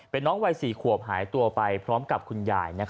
เป็นน้องวัย๔ขวบหายตัวไปพร้อมกับคุณยาย